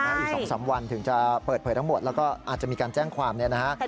อีก๒๓วันถึงจะเปิดเผยทั้งหมดแล้วก็อาจจะมีการแจ้งความเนี่ยนะฮะ